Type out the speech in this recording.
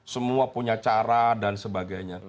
semua punya cara dan sebagainya